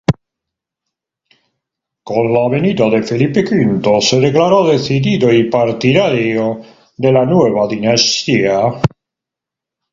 Con la venida de Felipe V se declaró decidido partidario de la nueva dinastía.